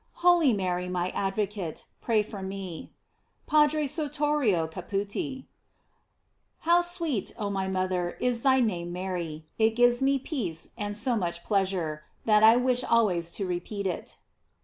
Holy Mary, my advocate, pray for me. — P. Sortorio Caputi. How sweet, oh my mother, is thy name of Mary ! It gives me peace, and so much pleasure, That I wish always to repeat it.